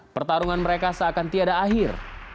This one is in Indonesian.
pertarungan mereka seakan tiada akhir